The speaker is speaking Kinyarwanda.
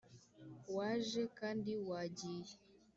waje kandi wagiye,